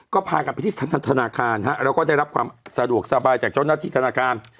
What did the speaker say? ก็ภายกลับไปที่ฐานการณ์แล้วก็ได้รับความสะดวกสบายจากเจ้าหน้าที่ฐานการณ์